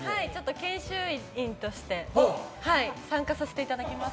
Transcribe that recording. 研修員として参加させていただきます。